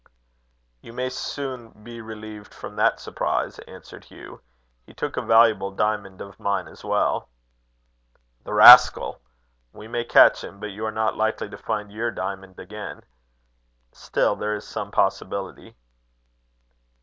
"You may soon be relieved from that surprise," answered Hugh: "he took a valuable diamond of mine as well." "The rascal! We may catch him, but you are not likely to find your diamond again. Still, there is some possibility."